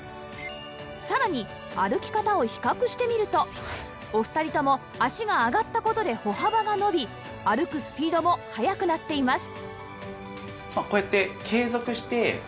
さらに歩き方を比較してみるとお二人とも脚が上がった事で歩幅が伸び歩くスピードも速くなっています